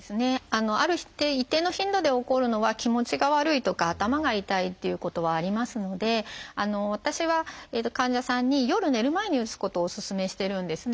ある一定の頻度で起こるのは気持ちが悪いとか頭が痛いっていうことはありますので私は患者さんに夜寝る前に打つことをお勧めしてるんですね。